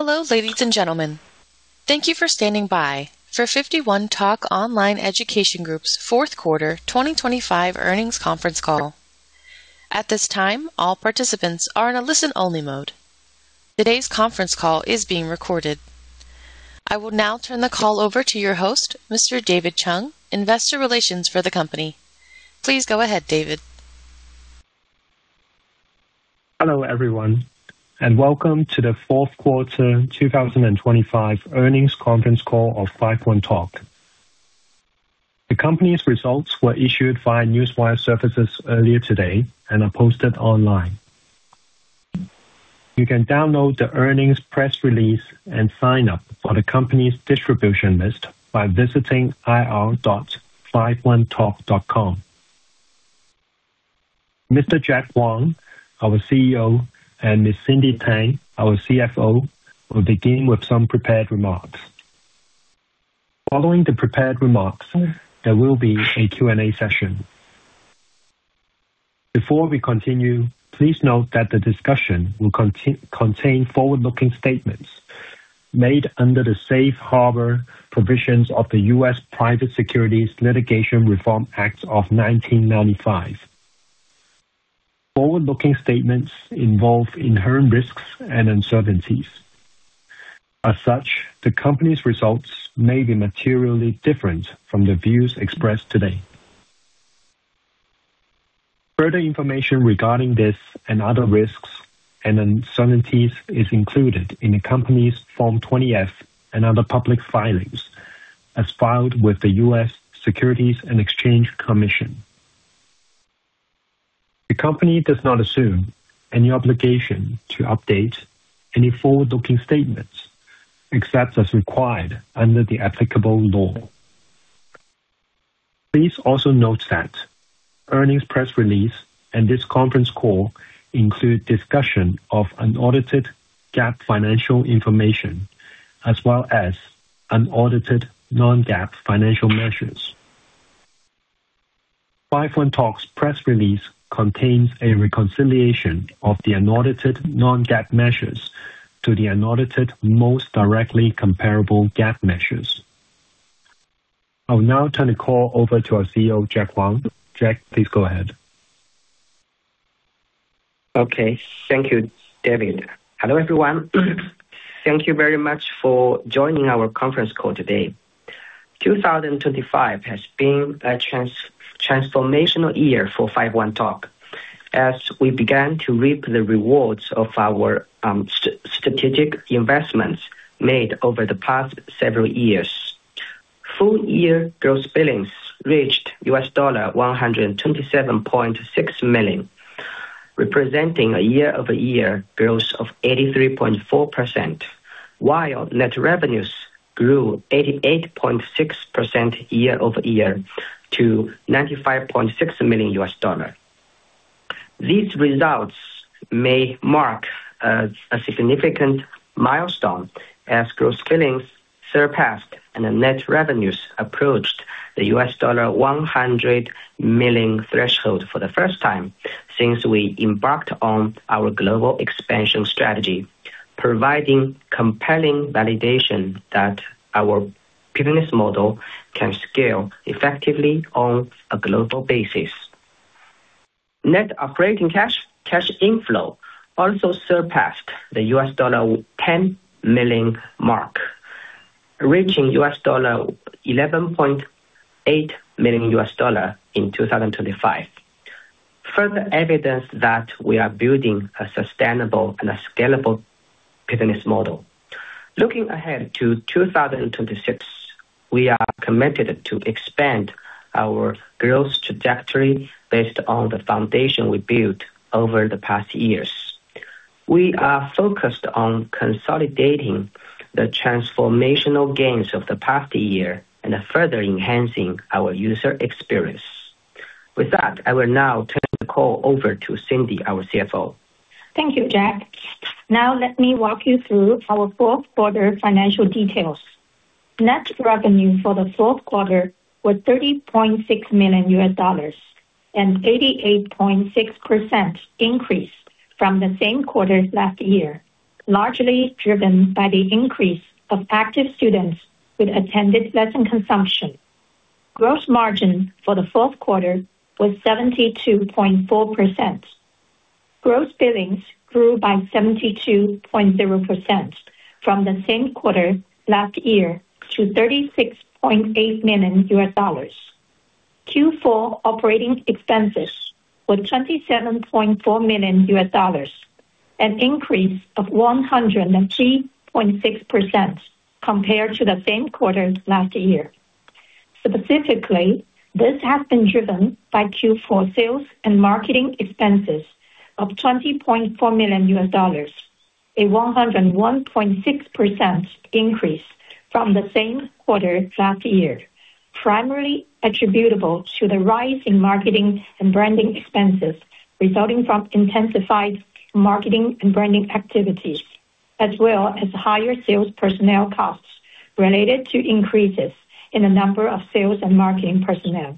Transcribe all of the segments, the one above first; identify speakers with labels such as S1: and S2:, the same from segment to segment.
S1: Hello, ladies and gentlemen. Thank you for standing by for 51Talk Online Education Group's fourth quarter 2025 earnings conference call. At this time, all participants are in a listen-only mode. Today's conference call is being recorded. I will now turn the call over to your host, Mr. David Cindyg, Investor Relations for the company. Please go ahead, David.
S2: Hello, everyone, and welcome to the fourth quarter 2025 earnings conference call of 51Talk. The company's results were issued via Newswire services earlier today and are posted online. You can download the earnings press release and sign up for the company's distribution list by visiting ir.51talk.com. Mr. Jack Huang, our CEO, and Ms. Cindy Tang, our CFO, will begin with some prepared remarks. Following the prepared remarks, there will be a Q&A session. Before we continue, please note that the discussion will contain forward-looking statements made under the safe harbor provisions of the U.S. Private Securities Litigation Reform Act of 1995. Forward-looking statements involve inherent risks and uncertainties. As such, the company's results may be materially different from the views expressed today. Further information regarding this and other risks and uncertainties is included in the company's Form 20-F and other public filings as filed with the U.S. Securities and Exchange Commission. The company does not assume any obligation to update any forward-looking statements except as required under the applicable law. Please also note that earnings press release and this conference call include discussion of unaudited GAAP financial information, as well as unaudited non-GAAP financial measures. 51Talk's press release contains a reconciliation of the unaudited non-GAAP measures to the unaudited most directly comparable GAAP measures. I will now turn the call over to our CEO, Jack Huang. Jack, please go ahead.
S3: Okay. Thank you, David. Hello, everyone. Thank you very much for joining our conference call today. 2025 has been a transformational year for 51Talk as we began to reap the rewards of our strategic investments made over the past several years. Full year gross billings reached $127.6 million, representing a year-over-year growth of 83.4%, while net revenues grew 88.6% year-over-year to $95.6 million. These results may mark a significant milestone as gross billings surpassed and the net revenues approached the $100 million threshold for the first time since we embarked on our global expansion strategy, providing compelling validation that our business model can scale effectively on a global basis. Net operating cash inflow also surpassed the $10 million mark, reaching $11.8 million in 2025. Further evidence that we are building a sustainable and a scalable business model. Looking ahead to 2026, we are committed to expand our growth trajectory based on the foundation we built over the past years. We are focused on consolidating the transformational gains of the past year and further enhancing our user experience. With that, I will now turn the call over to Cindy Tang, our CFO.
S4: Thank you, Jack. Now let me walk you through our fourth quarter financial details. Net revenue for the fourth quarter was $30.6 million, an 88.6% increase from the same quarter last year, largely driven by the increase of active students with attended lesson consumption. Gross margin for the fourth quarter was 72.4%. Gross billings grew by 72.0% from the same quarter last year to $36.8 million. Q4 operating expenses were $27.4 million, an increase of 103.6% compared to the same quarter last year. Specifically, this has been driven by Q4 sales and marketing expenses of $20.4 million, a 101.6% increase from the same quarter last year, primarily attributable to the rise in marketing and branding expenses resulting from intensified marketing and branding activities, as well as higher sales personnel costs related to increases in the number of sales and marketing personnel.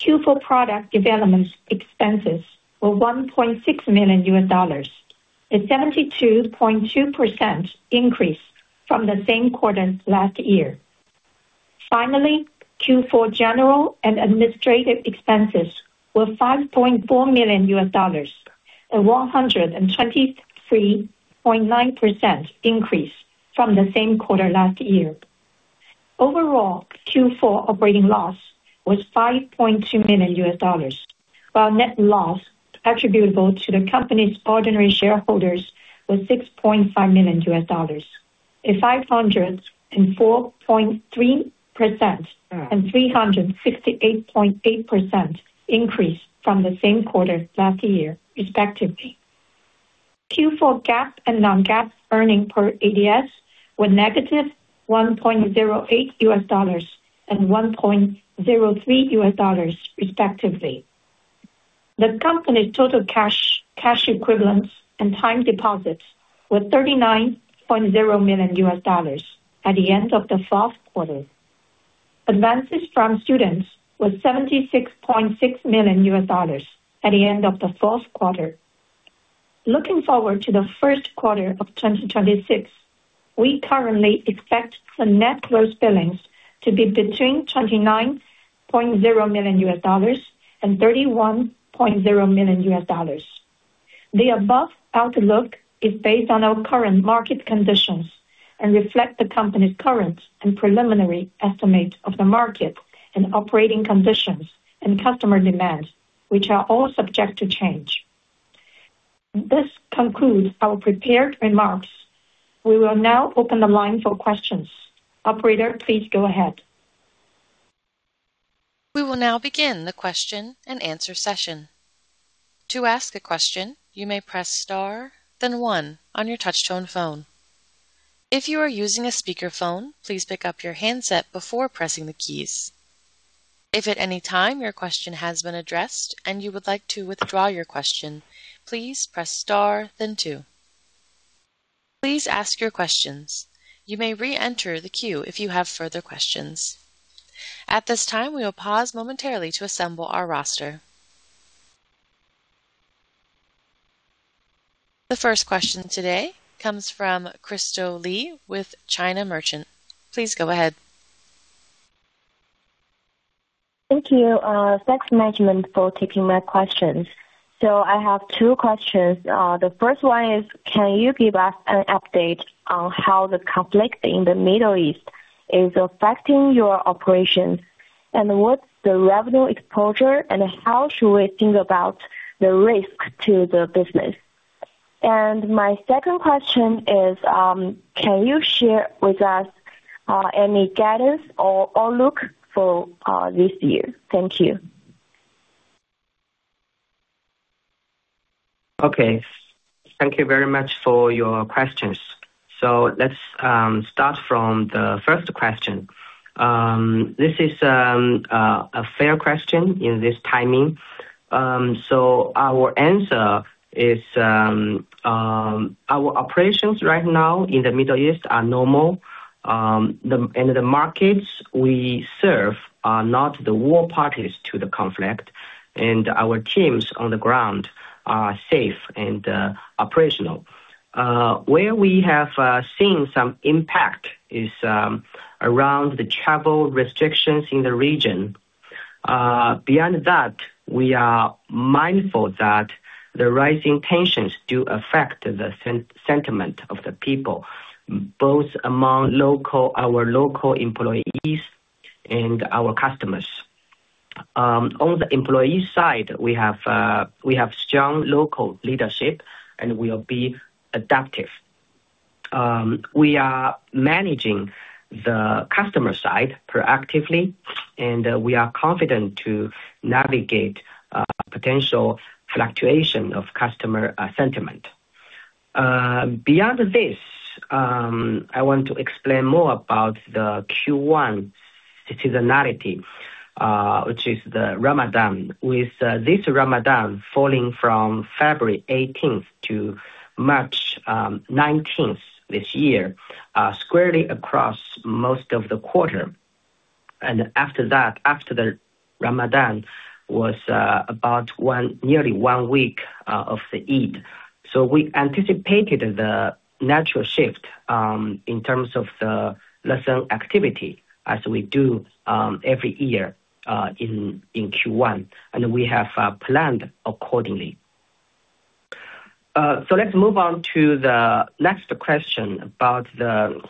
S4: Q4 product development expenses were $1.6 million, a 72.2% increase from the same quarter last year. Finally, Q4 general and administrative expenses were $5.4 million, a 123.9% increase from the same quarter last year. Overall, Q4 operating loss was $5.2 million, while net loss attributable to the company's ordinary shareholders was $6.5 million, a 504.3% and 368.8% increase from the same quarter last year, respectively. Q4 GAAP and non-GAAP earnings per ADS were -$1.08 and $1.03, respectively. The company's total cash equivalents and time deposits were $39.0 million at the end of the fourth quarter. Advances from students were $76.6 million at the end of the fourth quarter. Looking forward to the first quarter of 2026, we currently expect the net gross billings to be between $29.0 million and $31.0 million. The above outlook is based on our current market conditions and reflect the company's current and preliminary estimates of the market and operating conditions and customer demands, which are all subject to change. This concludes our prepared remarks. We will now open the line for questions. Operator, please go ahead.
S1: We will now begin the question-and-answer session. To ask a question, you may press star then one on your touchtone phone. If you are using a speakerphone, please pick up your handset before pressing the keys. If at any time your question has been addressed and you would like to withdraw your question, please press star then two. Please ask your questions. You may re-enter the queue if you have further questions. At this time, we will pause momentarily to assemble our roster. The first question today comes from Crystal Li with China Merchants. Please go ahead.
S5: Thank you, thanks management for taking my questions. I have two questions. The first one is can you give us an update on how the conflict in the Middle East is affecting your operations, and what's the revenue exposure and how should we think about the risk to the business? My second question is, can you share with us any guidance or outlook for this year? Thank you.
S3: Okay. Thank you very much for your questions. Let's start from the first question. This is a fair question in this timing. Our answer is our operations right now in the Middle East are normal. The markets we serve are not the warring parties to the conflict. Our teams on the ground are safe and operational. Where we have seen some impact is around the travel restrictions in the region. Beyond that, we are mindful that the rising tensions do affect the sentiment of the people, both among our local employees and our customers. On the employee side, we have strong local leadership and we will be adaptive. We are managing the customer side proactively, and we are confident to navigate potential fluctuation of customer sentiment. Beyond this, I want to explain more about the Q1 seasonality, which is the Ramadan. With this Ramadan falling from February 18 to March 19 this year, squarely across most of the quarter. After that, after the Ramadan was nearly one week of the Eid. We anticipated the natural shift in terms of the lesson activity as we do every year in Q1, and we have planned accordingly. Let's move on to the next question about the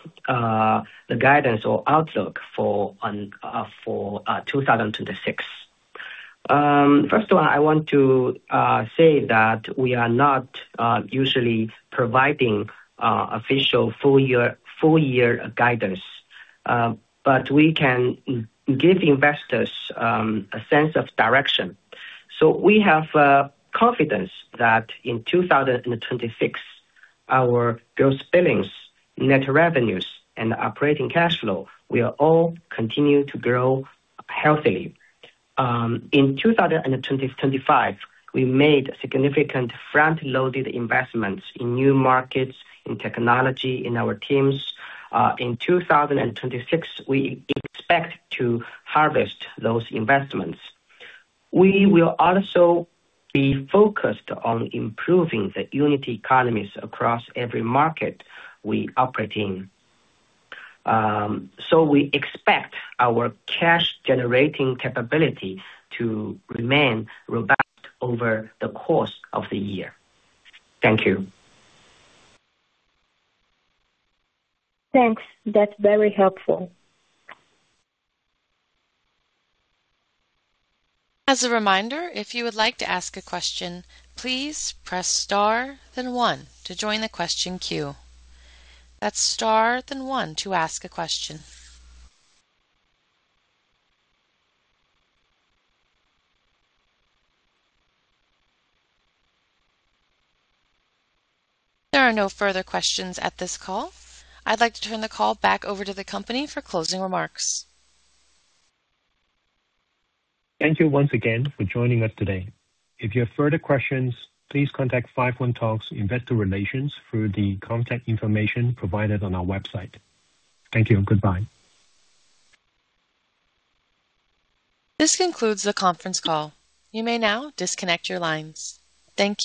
S3: guidance or outlook for 2026. First of all, I want to say that we are not usually providing official full year guidance. We can give investors a sense of direction. We have confidence that in 2026, our gross billings, net revenues and operating cash flow will all continue to grow healthily. In 2025, we made significant front-loaded investments in new markets, in technology, in our teams. In 2026, we expect to harvest those investments. We will also be focused on improving the unit economies across every market we operate in. We expect our cash generating capability to remain robust over the course of the year. Thank you.
S5: Thanks. That's very helpful.
S1: As a reminder, if you would like to ask a question, please press star then one to join the question queue. That's star then one to ask a question. There are no further questions at this call. I'd like to turn the call back over to the company for closing remarks.
S3: Thank you once again for joining us today. If you have further questions, please contact 51Talk's Investor Relations through the contact information provided on our website. Thank you and goodbye.
S1: This concludes the conference call. You may now disconnect your lines. Thank you.